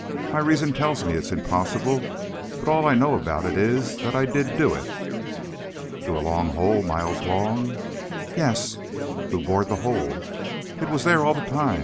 My reason tells me it's impossible. But all I know about it is, that I did do it." "Through a long hole, miles long?" "Yes." "Who bored the hole?" "It was there all the time.